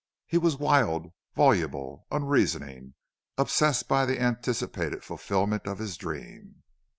He was wild, voluble, unreasoning obsessed by the anticipated fulfilment of his dream.